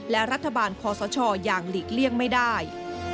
และรัฐบาลคอสชอย่างหลีกเลี่ยงไม่ได้